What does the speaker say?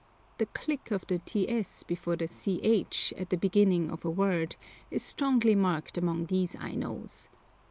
The click of the ts before the ch at the beginning of a word is strongly marked among these Ainos.